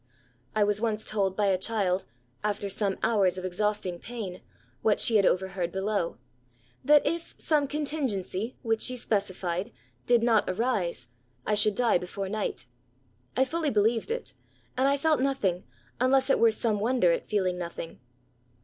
I was once told by a child, after some hours of exhausting pain, what she had overheard below, — ^that if some contin^ gency, which she specified, did not arise, I should die before night. I fully believed it ; and I felt nothing, unless it were some wonder at feeling nothing.